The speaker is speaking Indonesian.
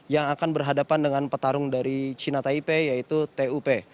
yang akan berhadapan dengan petarung dari cina taipei yaitu tup